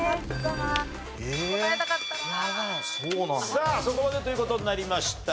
さあそこまでという事になりました。